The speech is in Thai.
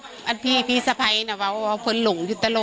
ปกติพี่สาวเราเนี่ยครับเป็นคนเชี่ยวชาญในเส้นทางป่าทางนี้อยู่แล้วหรือเปล่าครับ